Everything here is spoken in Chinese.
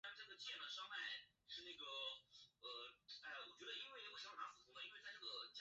众多的历史景观使得莱伊成为一个著名的旅游目的地。